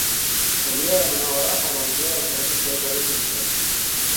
Hauria de demanar hora per la botiga del carrer Doctor Aiguader quinze.